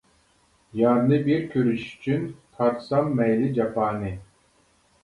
يارنى بىر كۆرۈش ئۈچۈن، تارتسام مەيلى جاپانى.